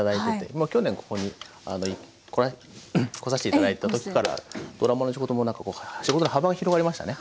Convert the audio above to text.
まあ去年ここに来させて頂いた時からドラマの仕事もなんかこう仕事の幅が広がりましたね。